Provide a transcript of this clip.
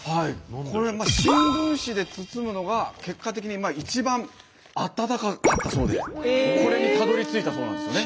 これ新聞紙で包むのが結果的に一番あったかかったそうでこれにたどりついたそうなんですよね。